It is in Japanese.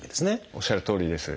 おっしゃるとおりです。